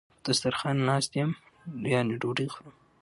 په دسترخان ناست یم یعنی ډوډی خورم